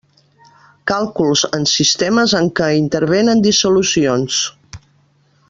Càlculs en sistemes en què intervenen dissolucions.